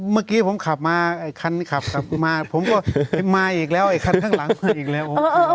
เมื่อกี้ผมขับมาไอ้คันขับกลับมาผมก็มาอีกแล้วไอ้คันข้างหลังมาอีกแล้ว